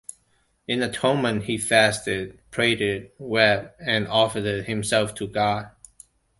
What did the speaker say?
In atonement, he fasted, prayed, wept, and offered himself to God.